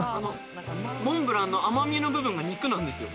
モンブランの甘みの部分が肉なんですよ。